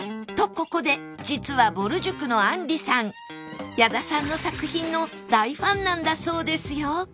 ここで実はぼる塾のあんりさん矢田さんの作品の大ファンなんだそうですよ